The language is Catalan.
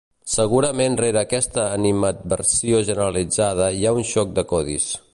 Segurament rere aquesta animadversió generalitzada hi ha un xoc de codis.